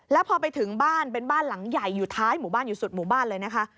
แล้วพอไปถึงบ้านเป็นบ้านหลังใหญ่อยู่ท้ายหมู่บ้านอยู่สุดหมู่บ้านเลยนะคะ